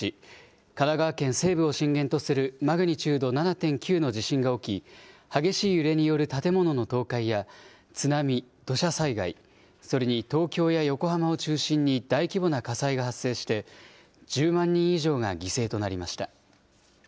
神奈川県西部を震源とするマグニチュード７．９の地震が起き、激しい揺れによる建物の倒壊や津波、土砂災害、それに東京や横浜を中心に大規模な火災が発生して１０万人以上が犠牲となりました。